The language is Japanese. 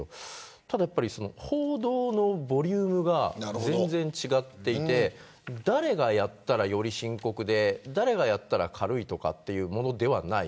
ただ、報道のボリュームが全然違っていて誰がやったら、より深刻で誰がやったら軽いというものではない。